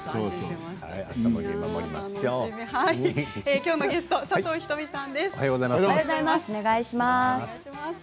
きょうのゲストは佐藤仁美さんです。